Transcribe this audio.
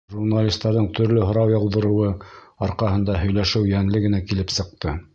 Журналистарҙың төрлө һорау яуҙырыуы арҡаһында һөйләшеү йәнле генә килеп сыҡты.